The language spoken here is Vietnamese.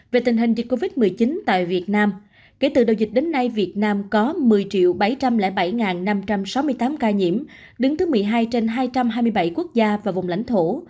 về tình hình dịch covid một mươi chín tại việt nam kể từ đầu dịch đến nay việt nam có một mươi bảy trăm linh bảy năm trăm sáu mươi tám ca nhiễm đứng thứ một mươi hai trên hai trăm hai mươi bảy quốc gia và vùng lãnh thổ